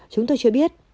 chúng tôi chưa biết